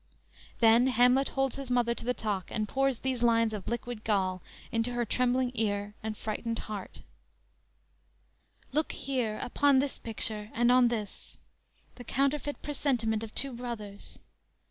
"_ Then Hamlet holds his mother to the talk and pours these lines of liquid gall into her trembling ear and frightened heart: _"Look here, upon this picture, and on this, The counterfeit presentment of two brothers.